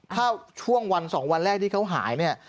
ถ้าช่วงวัน๒วันแรกที่เขาหายเนี่ย